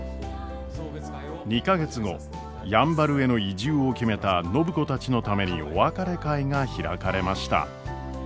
２か月後やんばるへの移住を決めた暢子たちのためにお別れ会が開かれました。